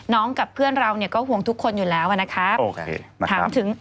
น้องกับเพื่อนเราก็ห่วงทุกคนอยู่แล้วนะครับ